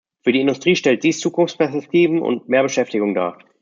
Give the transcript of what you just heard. Für die Industrie stellt dies Zukunftsperspektiven und mehr Beschäftigung dar.